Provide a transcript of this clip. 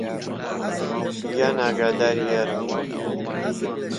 گیان ئاگادری یارم بی